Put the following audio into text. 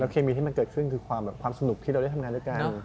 เคมีที่มันเกิดขึ้นคือความสนุกที่เราได้ทำงานด้วยกัน